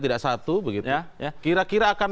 tidak satu kira kira akan